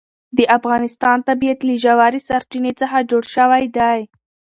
د افغانستان طبیعت له ژورې سرچینې څخه جوړ شوی دی.